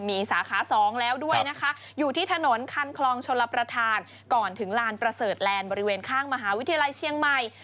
มีสาขา๒แล้วด้วยนะคะอยู่ที่ถนนคันคลองชลประธานก่อนถึงลานประเสริฐแลนด์บริเวณข้างมหาวิทยาลัยเชียงใหม่